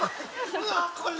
うわっこれ何？